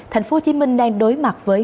thành phố hồ chí minh đang đối mặt với